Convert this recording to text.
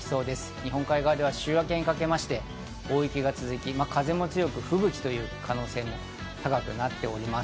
日本海側では週明けにかけて大雪が続き、風も強く、吹雪の可能性が長くなっております。